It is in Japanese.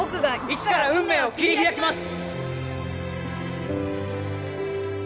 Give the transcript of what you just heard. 一から運命を切り開きます！